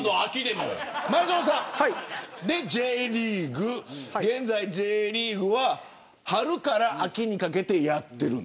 前園さん、現在Ｊリーグは春から秋にかけてやっている。